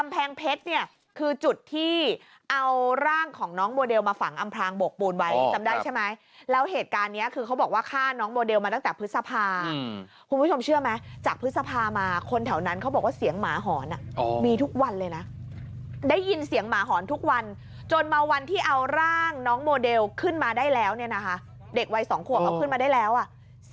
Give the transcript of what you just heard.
ฟังจากคุณจิตราครับฟังจากคุณจิตราครับฟังจากคุณจิตราครับฟังจากคุณจิตราครับฟังจากคุณจิตราครับฟังจากคุณจิตราครับฟังจากคุณจิตราครับฟังจากคุณจิตราครับฟังจากคุณจิตราครับฟังจากคุณจิตราครับฟังจากคุณจิตราครับฟังจากคุณจิตราครับฟังจ